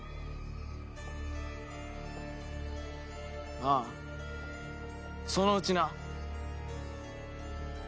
ああそのうちな。